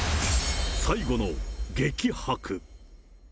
最後の激白。